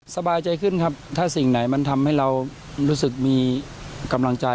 สบายใจขึ้นครับถ้าสิ่งไหนมันทำให้เรารู้สึกมีกำลังใจ